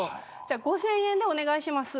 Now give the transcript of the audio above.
５０００円でお願いします